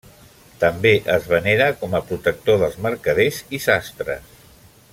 També es venera com a protector dels mercaders i sastres.